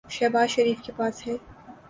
شہباز شریف کے پاس ہے۔